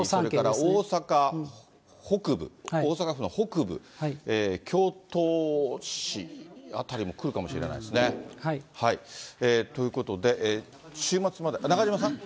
大阪北部、大阪府の北部、京都市辺りも来るかもしれないですね。ということで、週末まで。